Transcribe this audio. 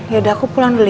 yaudah aku pulang dulu ya